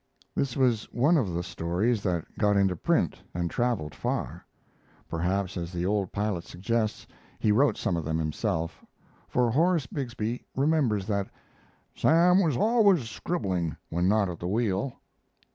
This was one of the stories that got into print and traveled far. Perhaps, as the old pilot suggests, he wrote some of them himself, for Horace Bixby remembers that "Sam was always scribbling when not at the wheel."